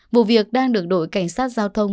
vụ việc đang được đội cảnh sát giao thông